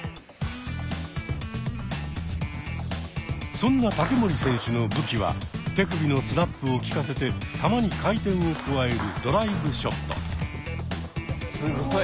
そんな竹守選手の武器は手首のスナップをきかせて球に回転を加えるすごい。